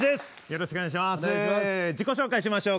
よろしくお願いします。